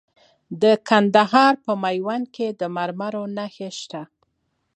د کندهار په میوند کې د مرمرو نښې شته.